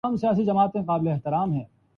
انسان کے فطری مطالبات، دیگر مخلوقات سے سوا ہیں۔